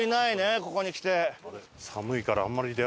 ここにきて。